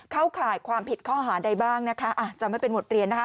ข่ายความผิดข้อหาใดบ้างนะคะอาจจะไม่เป็นบทเรียนนะคะ